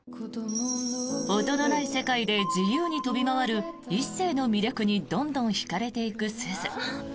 音のない世界で自由に飛び回る一星の魅力にどんどん引かれていく鈴。